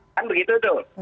kan begitu tuh